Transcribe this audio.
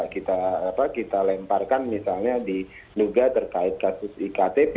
bisa kita lemparkan misalnya di nuga terkait kasus iktp